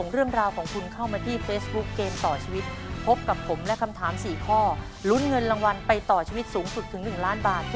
วันนี้สวัสดีครับ